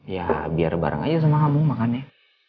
ya biar bareng aja sama kamu makan ya